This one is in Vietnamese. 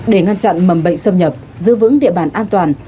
để ngăn chặn mầm bệnh xâm nhập giữ vững địa bàn an toàn